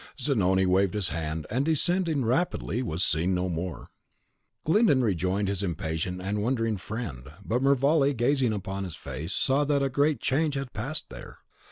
Zanoni waved his hand, and, descending rapidly, was seen no more. Glyndon rejoined his impatient and wondering friend; but Mervale, gazing on his face, saw that a great change had passed there.